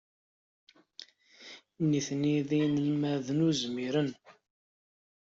Nitni d inelmaden uzmiren.